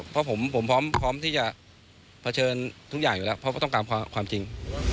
เพราะผมพร้อมที่จะเผชิญทุกอย่างอยู่แล้วเพราะก็ต้องการความจริง